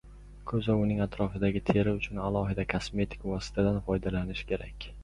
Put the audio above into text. Ko‘z va uning atrofidagi teri uchun alohida kosmetik vositadan foydalanish kerak